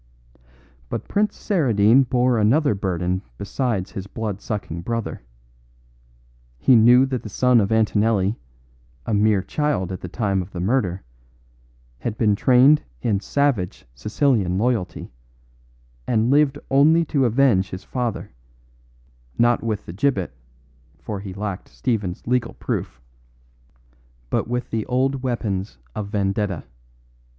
"But Prince Saradine bore another burden besides his blood sucking brother. He knew that the son of Antonelli, a mere child at the time of the murder, had been trained in savage Sicilian loyalty, and lived only to avenge his father, not with the gibbet (for he lacked Stephen's legal proof), but with the old weapons of vendetta.